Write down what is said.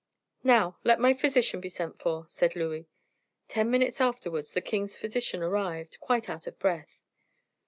"Now, let my physician be sent for," said Louis. Ten minutes afterwards the king's physician arrived, quite out of breath.